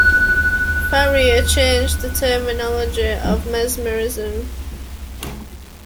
Faria changed the terminology of mesmerism.